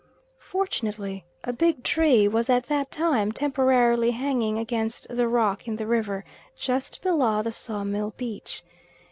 Fortunately a big tree was at that time temporarily hanging against the rock in the river, just below the sawmill beach.